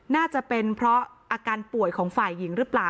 น่าจะเป็นเพราะอาการป่วยของฝ่ายหญิงหรือเปล่า